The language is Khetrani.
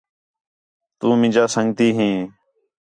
تُو مینجا سنڳتی ہیں